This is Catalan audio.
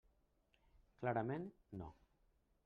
Clarament, no.